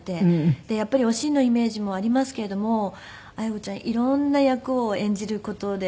でやっぱりおしんのイメージもありますけれども綾子ちゃん色んな役を演じる事でなんだろう。